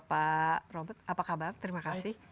pak robert apa kabar terima kasih